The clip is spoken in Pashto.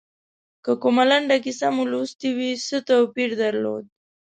که کومه لنډه کیسه مو لوستي وي څه توپیر درلود.